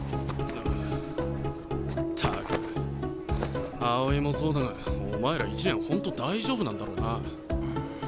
ったく青井もそうだがお前ら１年本当大丈夫なんだろうな？